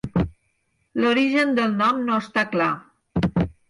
L'origen del nom no està clar.